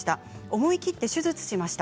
思い切って手術をしました。